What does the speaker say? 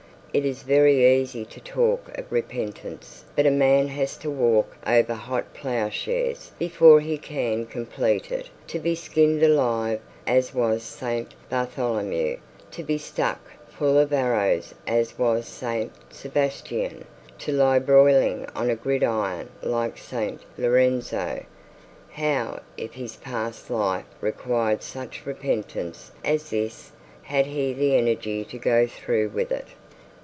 It is very easy to talk of repentance; but a man has to walk over hot ploughshares before he can complete it; to be skinned alive as was St Bartholomew; to be stuck full of arrows as was St Sebastian; to lie broiling on a gridiron like St Lorenzo! How if his past life required such repentance as this? had he the energy to go through with it?